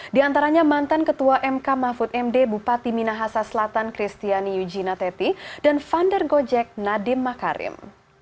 di antaranya mantan ketua mk mahfud md bupati minahasa selatan kristiani yujina teti dan founder gojek nadiem makarim